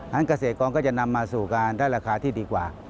เกษตรกรก็จะนำมาสู่การได้ราคาที่ดีกว่า